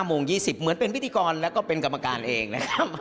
โมง๒๐เหมือนเป็นพิธีกรแล้วก็เป็นกรรมการเองนะครับ